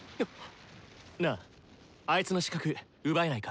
なああいつの視覚奪えないか？